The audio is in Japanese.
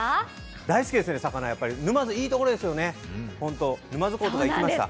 大好きですね、魚沼津いいところですよね、沼津港行きました。